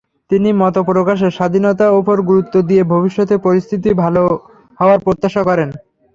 তিনি মতপ্রকাশের স্বাধীনতার ওপর গুরুত্ব দিয়ে ভবিষ্যতের পরিস্থিতি ভালো হওয়ার প্রত্যাশা করেন।